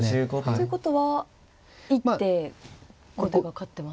ということは一手後手が勝ってますか。